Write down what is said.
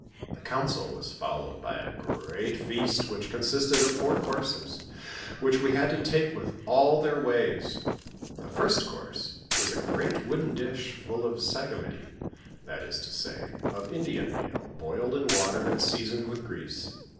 The council was followed by a great feast which consisted of four courses, which we had to take with all their ways ; the first course was a great wooden dish full of sagamity, that is to say, of Indian meal boiled in water and seasoned with grease.